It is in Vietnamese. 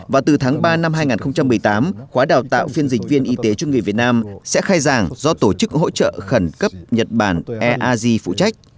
và từ tháng ba năm hai nghìn một mươi tám khóa đào tạo phiên dịch viên y tế cho người việt nam sẽ khai giảng do tổ chức hỗ trợ khẩn cấp nhật bản eaz phụ trách